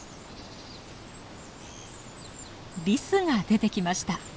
リスが出てきました。